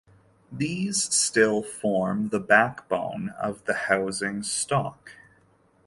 These still form the backbone of the housing stock.